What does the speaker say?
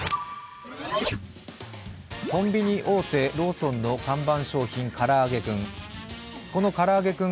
コンビニ大手・ローソンの看板商品からあげクン。